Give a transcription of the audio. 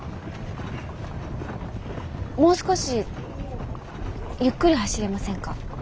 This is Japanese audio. もう少しゆっくり走れませんか？